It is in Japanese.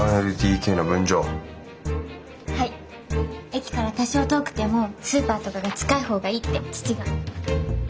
駅から多少遠くてもスーパーとかが近い方がいいって父が。